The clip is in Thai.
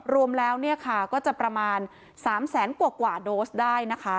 รวมแล้วเนี่ยค่ะก็จะประมาณ๓แสนกว่าโดสได้นะคะ